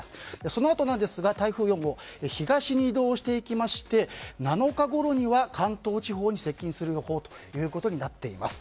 そのあと、台風４号東に移動していきまして７日ごろには関東地方に接近する予報となっています。